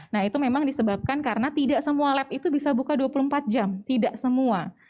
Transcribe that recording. nah itu memang disebabkan karena tidak semua lab itu bisa buka dua puluh empat jam tidak semua